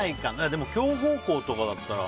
でも強豪校とかだったら。